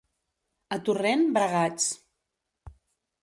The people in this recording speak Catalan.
A Torrent, bragats.